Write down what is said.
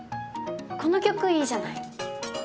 この曲いいじゃない。